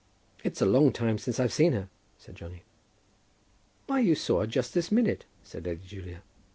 "It's a long time since I've seen her," said Johnny. "Why, you saw her just this minute," said Lady Julia.